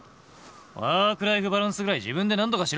ワークライフバランスぐらい自分でなんとかしろ！